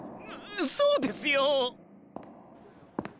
そうですよ！